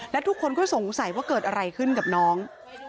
และทุกคนก็สงสัยว่าเกิดอะไรขึ้นกับน้อง